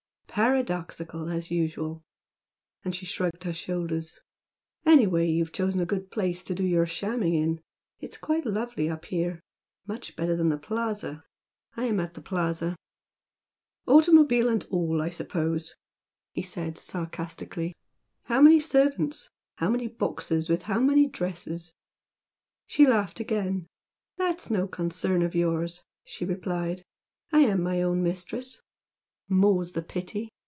"Paradoxical as usual!" and she shrugged her shoulders "Anyway you've chosen a good place to do your shamming in. It's quite lovely up here, much better than the Plaza. I am at the Plaza." "Automobile and all I suppose!" he said, sarcastically "How many servants? how many boxes with how many dresses?" She laughed again. "That's no concern of yours!" she replied "I am my own mistress." "More's the pity!"